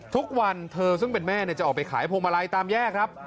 ทุกวันเธอซึ่งเป็นแม่จะออกไปขายพวงมาลัยตามแยกครับ